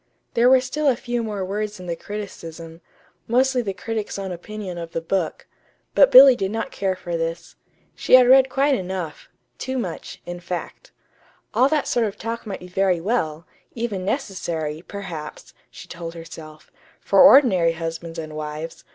There were still a few more words in the criticism, mostly the critic's own opinion of the book; but Billy did not care for this. She had read quite enough boo much, in fact. All that sort of talk might be very well, even necessary, perhaps (she told herself), for ordinary husbands and wives!